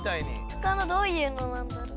ほかのどういうのなんだろ？